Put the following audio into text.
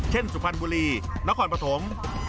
เช่นสุพรรณบุรีและกอทม